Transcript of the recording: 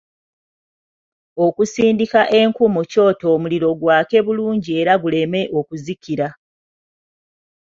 Okusindika enku mu kyoto omuliro gwake bulungi era guleme okuzikira.